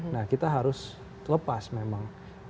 nah kita harus lepas memang